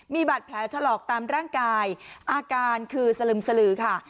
มีบาดแผลถลอกตามร่างกายอาการคือสลึมสลือค่ะ